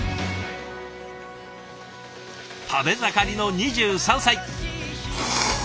食べ盛りの２３歳。